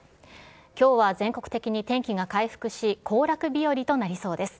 きょうは全国的に天気が回復し、行楽日和となりそうです。